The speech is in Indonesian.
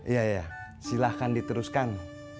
iya ya silahkan diteruskan